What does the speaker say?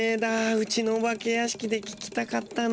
うちのお化け屋敷で聞きたかったな。